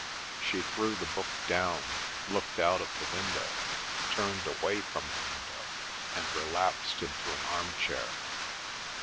She threw the book down, looked out of the window, turned away from the window, and relapsed into an arm chair.